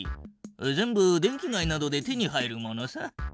全部電気街などで手に入るものさ。